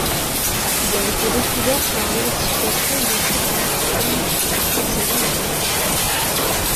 Il a été découvert par l'identification de shatter cones à proximité de son centre.